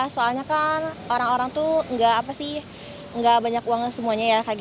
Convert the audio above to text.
soalnya kan orang orang tuh nggak banyak uang semuanya ya